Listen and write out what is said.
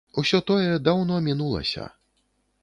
Усё тое даўно мінулася.